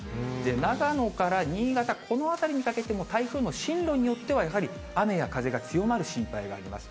長野から新潟、このあたりにかけても台風の進路によっては、やはり雨や風が強まる心配があります。